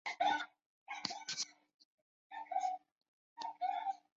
低放射性废物之外所有放射性核废料的总称。